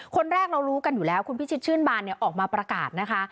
คนแรกเรารู้กันอยู่แล้วคุณพิชิตชื่นบานเนี่ยออกมาประกาศนะคะ